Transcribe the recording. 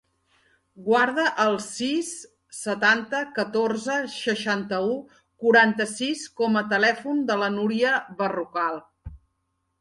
Guarda el sis, setanta, catorze, seixanta-u, quaranta-sis com a telèfon de la Núria Berrocal.